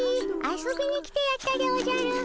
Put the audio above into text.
遊びに来てやったでおじゃる。